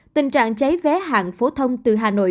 tình trạng cháy vé hạng phổ thông từ hà nội